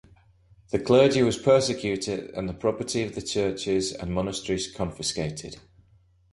The clergy was persecuted and the property of the churches and monasteries confiscated.